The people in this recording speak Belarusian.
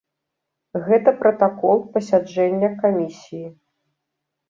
Гэта пратакол пасяджэння камісіі.